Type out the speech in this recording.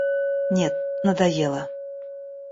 Нет, надоело.